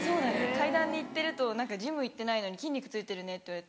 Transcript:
階段で行ってるとジム行ってないのに筋肉ついてるねって言われて。